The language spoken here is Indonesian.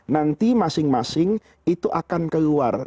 nanti masing masing itu akan keluar